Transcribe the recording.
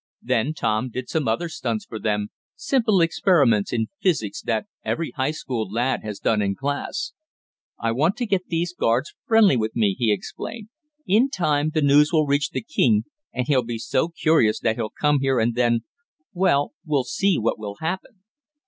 Then Tom did some other stunts for them, simple experiments in physics, that every High School lad has done in class. "I want to get these guards friendly with me," he explained. "In time the news will reach the king and he'll be so curious that he'll come here and then well, we'll see what will happen."